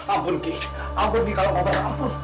ampun gk ampun gk langkobar